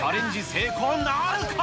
成功なるか。